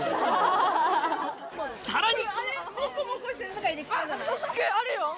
さらに！